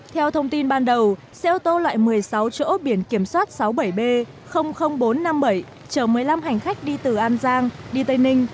theo thông tin ban đầu xe ô tô loại một mươi sáu chỗ biển kiểm soát sáu mươi bảy b bốn trăm năm mươi bảy chở một mươi năm hành khách đi từ an giang đi tây ninh